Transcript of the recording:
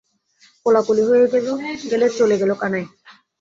কোলাকুলি হয়ে গেলে চলে গেল কানাই।